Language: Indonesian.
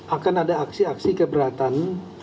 akan ada aksi aksi keberatan